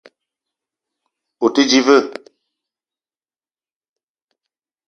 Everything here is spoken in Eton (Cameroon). O te di ve?